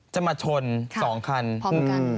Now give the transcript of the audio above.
จะมาชน๒คันพร้อมกัน